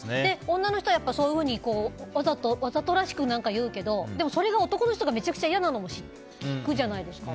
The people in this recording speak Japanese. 女の人はわざとらしく言うけどでも、それが男の人がめちゃくちゃ嫌なのも聞くじゃないですか。